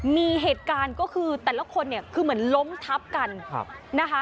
มีเหตุการณ์ก็คือแต่ละคนเนี่ยคือเหมือนล้มทับกันนะคะ